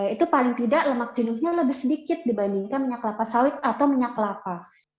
itu paling tidak lemak jenuhnya lebih sedikit dibandingkan minyak kelapa sawit atau minyak kelapa